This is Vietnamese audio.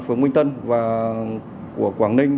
phường minh tân thị xã kinh môn